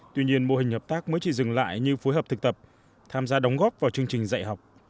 tuy nhiên mô hình hợp tác mới chỉ dừng lại như phối hợp thực tập tham gia đóng góp vào chương trình dạy học